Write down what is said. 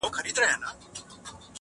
زه دې هسې هم ساتمه د کوڅې ور